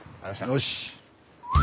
よし！